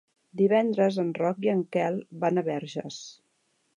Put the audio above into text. Divendres en Roc i en Quel van a Verges.